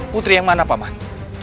putri yang mana paman